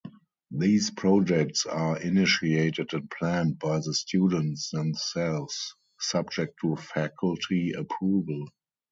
These projects are initiated and planned by the students themselves, subject to faculty approval.